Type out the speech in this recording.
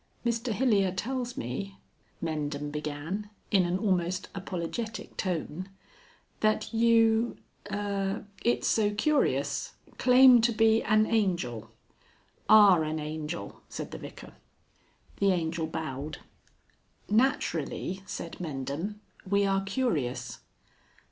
"Mr Hilyer tells me," Mendham began, in an almost apologetic tone, "that you ah it's so curious claim to be an Angel." "Are an Angel," said the Vicar. The Angel bowed. "Naturally," said Mendham, "we are curious."